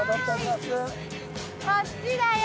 こっちだよ